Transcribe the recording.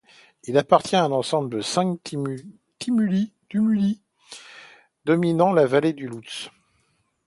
Il appartient à un ensemble de cinq tumuli dominant la vallée du Louts.